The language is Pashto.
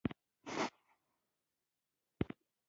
خلک يې ډېر خوښوي.